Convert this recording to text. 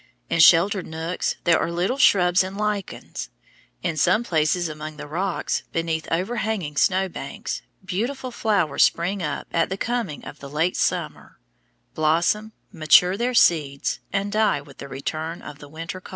In sheltered nooks there are little shrubs and lichens. In some places among the rocks, beneath overhanging snow banks, beautiful flowers spring up at the coming of the late summer, blossom, mature their seeds, and die with the return of the winter cold.